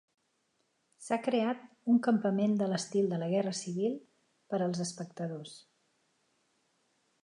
S'ha creat un campament de l'estil de la Guerra Civil per als espectadors.